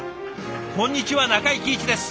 こんにちは中井貴一です。